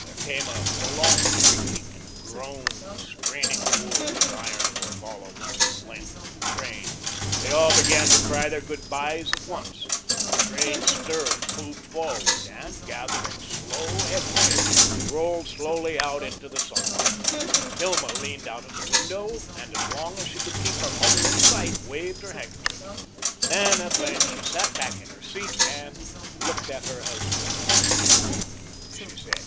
There came a prolonged creaking and groan of straining wood and iron work, all along the length of the train. They all began to cry their good byes at once. The train stirred, moved forward, and gathering slow headway, rolled slowly out into the sunlight. Hilma leaned out of the window and as long as she could keep her mother in sight waved her handkerchief. Then at length she sat back in her seat and looked at her husband. "Well," she said.